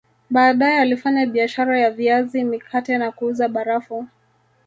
Baadae alifanya biashara ya viazi mikate na kuuza barafu